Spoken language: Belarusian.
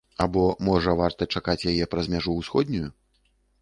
Або, можа, варта чакаць яе праз мяжу ўсходнюю?